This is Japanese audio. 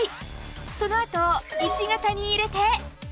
そのあと１型に入れて。